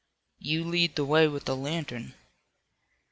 "You lead the way with the lantern."